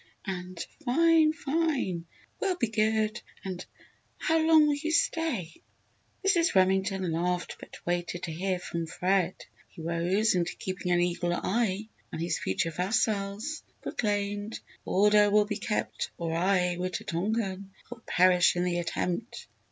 and "Fine! fine!" "We'll be good!" and "How long will you stay?" Mrs. Remington laughed but waited to hear from Fred. He rose and keeping an eagle eye on his future vassals, proclaimed: "Order shall be kept, or I, Wita tonkan, will perish in the attempt!